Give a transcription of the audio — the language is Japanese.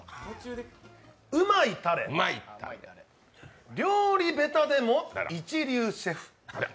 うまいたれ料理下手でも、一流シェフ。